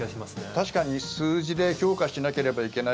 確かに数字で評価しなければいけない